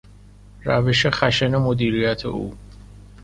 روش خشن مدیریت او